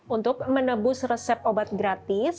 untuk menebus resep obat gratis